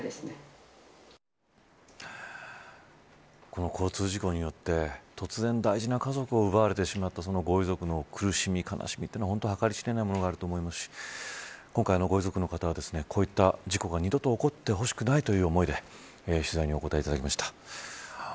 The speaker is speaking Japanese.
この交通事故によって突然、大事な家族を奪われてしまったご遺族の苦しみ悲しみというのは本当に計り知れないものがあると思いますし今回のご遺族の方はこういった事故が二度と起こってほしくないという思いで取材にお答えいただきました。